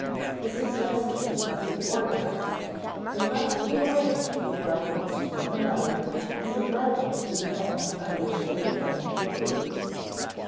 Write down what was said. The suggestions must be organized; they must be arranged with reference to one another and with reference to the facts on which they depend for proof.